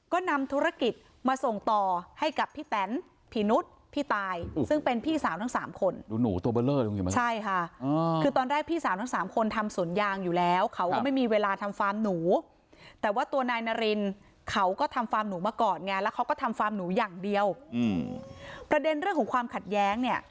ก่อนหน้านี้ทำฟาร์มหนูอยู่ที่จังหวัดขอนแก่น